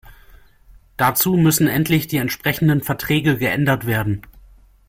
Dazu müssen endlich die entsprechenden Verträge geändert werden.